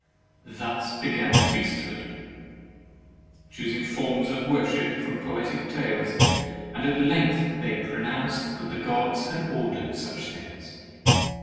Thus began Priesthood. 20 HEAVEN AND HELL Choosing forms of worship from poetic tales. And at length they pro nounced that the Gods had ordered such things.